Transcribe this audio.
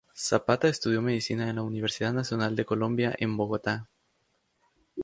Zapata estudió Medicina en la Universidad Nacional de Colombia en Bogotá.